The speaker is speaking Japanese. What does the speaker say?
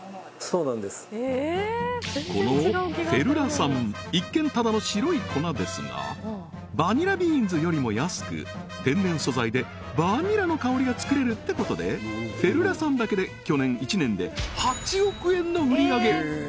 このフェルラ酸一見ただの白い粉ですがバニラビーンズよりも安く天然素材でバニラの香りがつくれるってことでフェルラ酸だけで去年１年で８億円の売上げ！